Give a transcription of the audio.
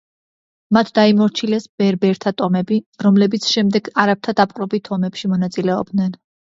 მათ დაიმორჩილეს ბერბერთა ტომები, რომლებიც შემდეგ არაბთა დაპყრობით ომებში მონაწილეობდნენ.